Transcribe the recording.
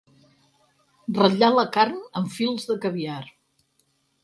Ratllar la carn amb fils de caviar.